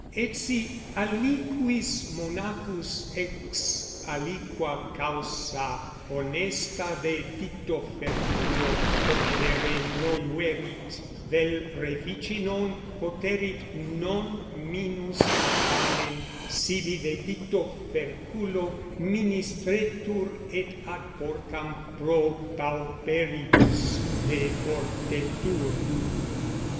Et si aliquis monachus ex aliqua causa honesta de dicto ferculo comedere noluerit vel refici non poterit non minus attamen sibi de dicto ferculo ministretur et ad portam pro pauperibus deportetur.